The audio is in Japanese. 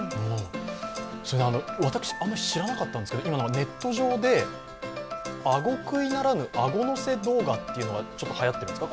それで、私、あまり知らなかったんですけど、今ネット上で、顎クイならぬ顎のせ動画っていうのがちょっとはやってるんですか？